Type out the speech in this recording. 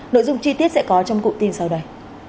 nội dung chi tiết sẽ có trong cụ tin sau đây